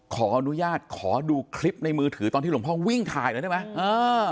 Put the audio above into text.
ขออนุญาตขอดูคลิปในมือถือตอนที่หลวงพ่อวิ่งถ่ายหน่อยได้ไหมเออ